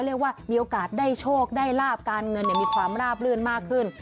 เรียกว่ามีโอกาสได้โชคได้ลาบการเงินมีความราบลื่นมากขึ้น